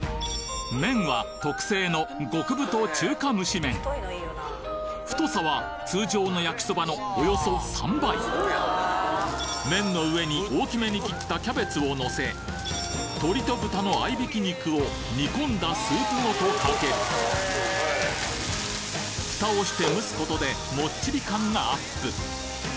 麺は特製の太さは通常の焼きそばのおよそ３倍麺の上に大きめに切ったキャベツをのせ鶏と豚の合びき肉を煮込んだスープごとかける蓋をして蒸すことでもっちり感がアップ